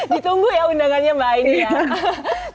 ditunggu ya undangannya mbak aini ya